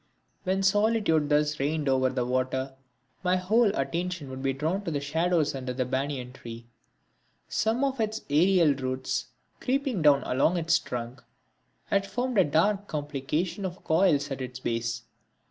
When solitude thus reigned over the water, my whole attention would be drawn to the shadows under the banyan tree. Some of its aerial roots, creeping down along its trunk, had formed a dark complication of coils at its base.